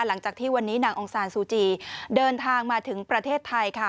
หลังจากที่วันนี้นางองซานซูจีเดินทางมาถึงประเทศไทยค่ะ